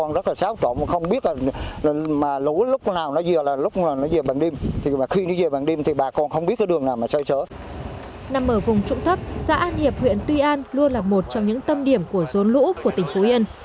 nằm ở vùng trụng thấp xã an hiệp huyện tuy an luôn là một trong những tâm điểm của rôn lũ của tỉnh phú yên